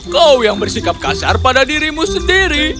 kau yang bersikap kasar pada dirimu sendiri